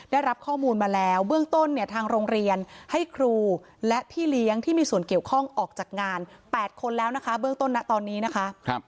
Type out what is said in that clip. ได้รับข้อมูลมาแล้วเบื้องต้นเนี่ยทางโรงเรียนให้ครูและพี่เลี้ยงที่มีส่วนเกี่ยวข้องออกจากงาน๘คนแล้วนะคะเบื้องต้นนะตอนนี้นะคะ